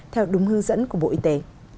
theo đúng hư dẫn của bộ y tế